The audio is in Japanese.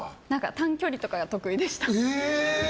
短距離とか得意でした。